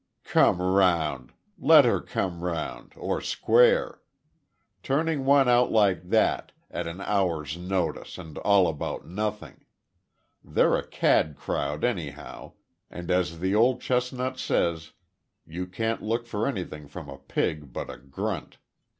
"Come round! Let her come round or square. Turning one out like that at an hour's notice and all about nothing. They're a cad crowd anyhow, and as the old chestnut says you can't look for anything from a pig but a grunt.